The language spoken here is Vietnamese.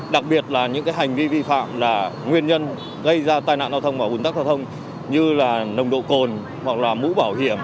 đặc biệt là những hành vi vi phạm là nguyên nhân gây ra tai nạn giao thông và ủn tắc giao thông như là nồng độ cồn hoặc là mũ bảo hiểm